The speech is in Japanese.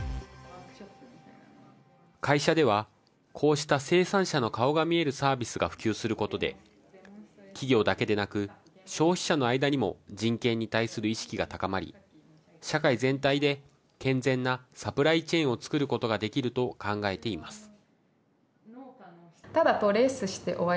会社では、こうした生産者の顔が見えるサービスが普及することで企業だけでなく、消費者の間にも人権に対する意識が高まり社会全体で健全なサプライチェーンを作ることができると考えています。